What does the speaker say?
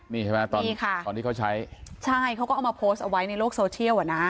มีใช่ไหมตอนที่เขาใช้ใช่เขาก็เอามาโพสเอาไว้ในโลกโซเชียลอ่ะน่ะ